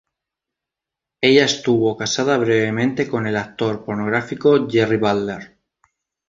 Ella estuvo casada brevemente con el actor pornográfico Jerry Butler.